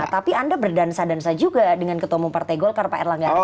tapi anda berdansa dansa juga dengan ketua umum partai golkar pak erlangga hartar